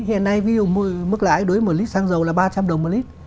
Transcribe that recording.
hiện nay ví dụ mức lãi đối với một lít xăng dầu là ba trăm linh đồng một lít